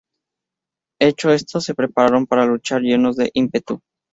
Hecho esto, se prepararon para luchar llenos de ímpetu.